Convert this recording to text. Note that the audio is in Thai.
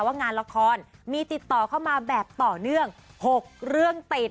ว่างานละครมีติดต่อเข้ามาแบบต่อเนื่อง๖เรื่องติด